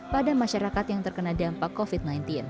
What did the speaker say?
pada masyarakat yang terkena dampak covid sembilan belas